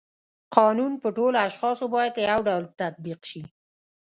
قانون په ټولو اشخاصو باید یو ډول تطبیق شي.